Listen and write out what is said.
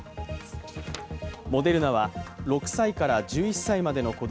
モデルナは、６１１歳までの子供